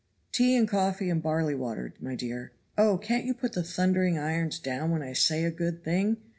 "Tea and coffee and barley water, my dear. Oh! can't you put the thundering irons down when I say a good thing?